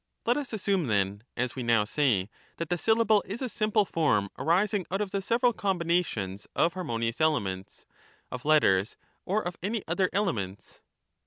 Let us assume then, as we now say, that the syllable is a simple form arising out of the several combinations of harmonious elements — of letters or of any other elements.